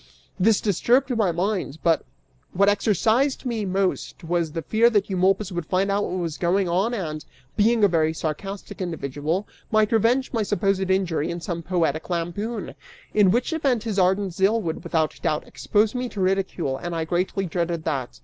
{This disturbed my mind but} what exercised me most was the fear that Eumolpus would find out what was going on and, being a very sarcastic individual, might revenge my supposed injury in some poetic lampoon, (in which event his ardent zeal would without doubt expose me to ridicule, and I greatly dreaded that.